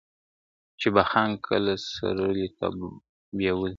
چي به خان کله سورلۍ ته وو بېولی ..